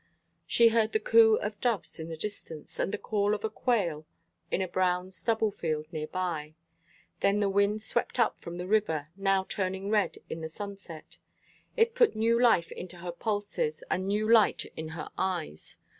She heard the coo of doves in the distance, and the call of a quail in a brown stubble field near by. Then the wind swept up from the river, now turning red in the sunset. It put new life into her pulses, and a new light in her eyes.